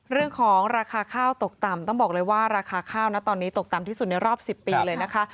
เรื่องของราคาข้าวตกต่ำต้องบอกเลยว่าราคาข้าวนะตอนนี้ตกต่ำที่สุดในรอบ๑๐ปีเลยนะคะ